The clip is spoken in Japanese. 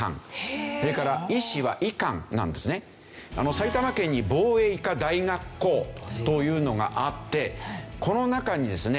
埼玉県に防衛医科大学校というのがあってこの中にですね